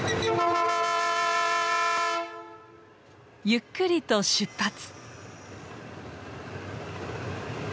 ゆっくりと出発。